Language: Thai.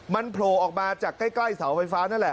มันโผล่ออกมาจากใกล้เสาไฟฟ้านั่นแหละ